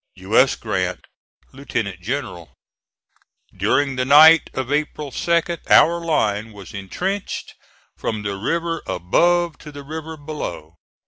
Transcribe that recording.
U. S. GRANT, Lieutenant General. During the night of April 2d our line was intrenched from the river above to the river below.